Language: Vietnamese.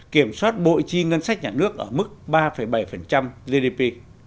kiểm soát bộ chi ngân sách nhà nước ở mức ba bảy gdp